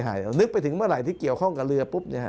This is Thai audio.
เรานึกไปถึงเมื่อไหร่ที่เกี่ยวข้องกับเรือปุ๊บ